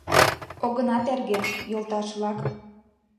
Огына терге, йолташ-влак.